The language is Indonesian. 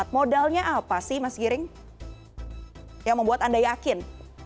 modalnya apa sih mas giring yang membuat anda yakin